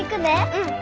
うん。